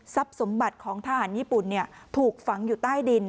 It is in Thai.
สมบัติของทหารญี่ปุ่นถูกฝังอยู่ใต้ดิน